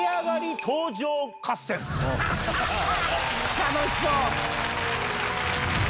楽しそう！